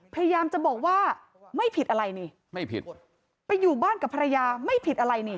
พยายามจะบอกว่าไม่ผิดอะไรนี่ไม่ผิดไปอยู่บ้านกับภรรยาไม่ผิดอะไรนี่